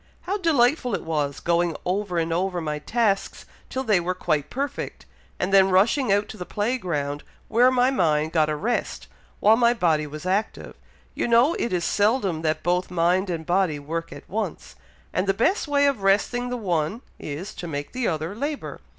How delightful it was, going over and over my tasks till they were quite perfect, and then rushing out to the play ground, where my mind got a rest, while my body was active; you know it is seldom that both mind and body work at once, and the best way of resting the one is, to make the other labour.